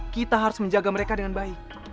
kita harus menjaga mereka dengan baik